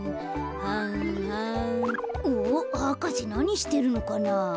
お博士なにしてるのかな？